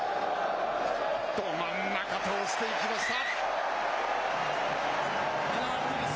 ど真ん中、通していきました。